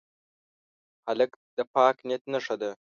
هلک د پاک نیت نښه ده.